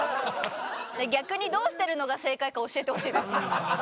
逆にどうしてるのが正解か教えてほしいです。